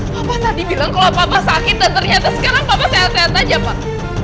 bapak tadi bilang kalau bapak sakit dan ternyata sekarang papa sehat sehat aja pak